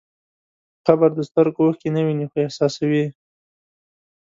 قبر د سترګو اوښکې نه ویني، خو احساسوي.